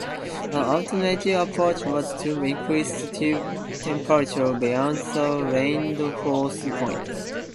An alternative approach was to increase the temperature beyond the Leidenfrost point.